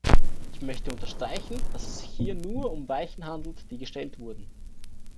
Ich möchte unterstreichen, dass es sich hier nur um Weichen handelt, die gestellt wurden.